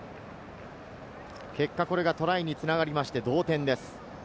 結果、これがトライにつながりまして、同点です。